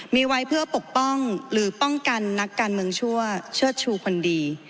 มีไว้เพื่อปกป้องหรือป้องกันนักการเมืองชั่วเชิดชูคนดี